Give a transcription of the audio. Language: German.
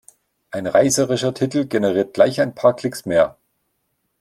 Ein reißerischer Titel generiert gleich ein paar Klicks mehr.